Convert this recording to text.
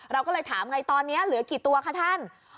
เราก็เลยถามไงตอนนี้เหลือกี่ตัวคะท่าน